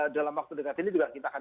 dalam waktu dekat ini juga kita akan